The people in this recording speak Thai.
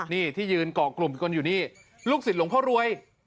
นี่ที่ยืนเกาะกลุ่มอีกคนอยู่นี่ลูกศิษย์หลวงพ่อรวย